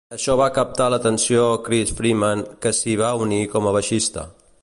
Això va captar l'atenció Chris Freeman, que s'hi va unir com a baixista.